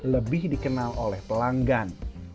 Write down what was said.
lebih dikenal oleh pelanggan